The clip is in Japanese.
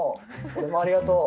俺もありがとう！